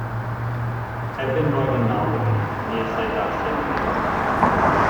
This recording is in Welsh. Erbyn roedd yn naw oed, ni allai ddarllen mwyach.